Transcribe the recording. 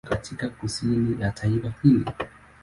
Iko katika kusini ya taifa hili.